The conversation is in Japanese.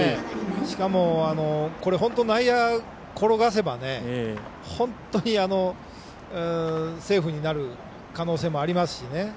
しかも内野に転がせば本当にセーフになる可能性もありますしね。